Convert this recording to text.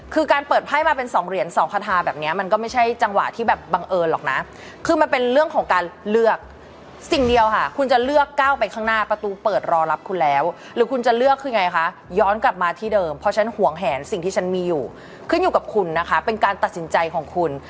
คือการเปิดไพ่มาเป็นสองเหรียญสองคาทาแบบนี้มันก็ไม่ใช่จังหวะที่แบบบังเอิญหรอกนะคือมันเป็นเรื่องของการเลือกสิ่งเดียวค่ะคุณจะเลือกก้าวไปข้างหน้าประตูเปิดรอรับคุณแล้วหรือคุณจะเลือกคือไงคะย้อนกลับมาที่เดิมเพราะฉันห่วงแหนสิ่งที่ฉันมีอยู่ขึ้นอยู่กับคุณนะคะเป็นการตัดสินใจของคุณ